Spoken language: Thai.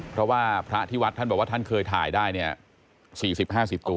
เพราะว่าพระที่วัดท่านบอกว่าท่านเคยถ่ายได้เนี่ย๔๐๕๐ตัว